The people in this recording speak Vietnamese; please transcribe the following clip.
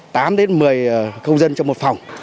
tám đến một mươi công dân trong một phòng